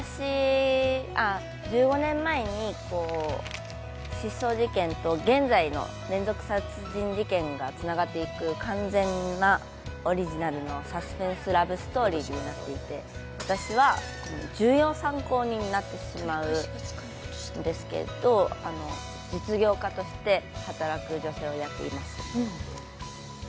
１５年前に失踪事件と現在の連続殺人事件がつながっていく完全なオリジナルのサスペンスラブストーリーになっていて私は重要参考人になってしまうんですけれども、実業家として働く女性をやっています。